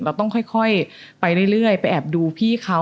เราต้องค่อยไปเรื่อยไปแอบดูพี่เขา